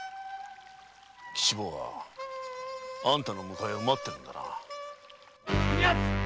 吉坊はあんたの迎えを待ってるんだな。